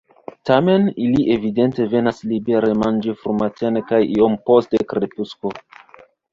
Tamen ili evidente venas libere manĝi frumatene kaj iom post krepusko.